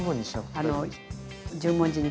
あ十文字に。